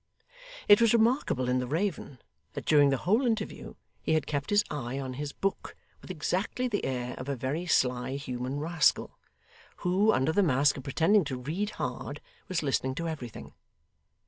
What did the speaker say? It was remarkable in the raven that during the whole interview he had kept his eye on his book with exactly the air of a very sly human rascal, who, under the mask of pretending to read hard, was listening to everything.